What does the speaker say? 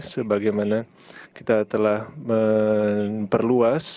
sebagaimana kita bisa menjaga kemampuan kita dan menjaga kemampuan kita